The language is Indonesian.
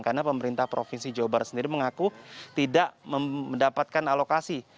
karena pemerintah provinsi jawa barat sendiri mengaku tidak mendapatkan alokasi